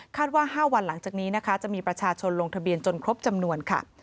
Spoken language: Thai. ว่า๕วันหลังจากนี้นะคะจะมีประชาชนลงทะเบียนจนครบจำนวนค่ะ